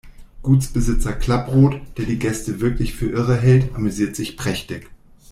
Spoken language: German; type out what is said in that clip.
Gutsbesitzer Klapproth, der die Gäste wirklich für Irre hält, amüsiert sich prächtig.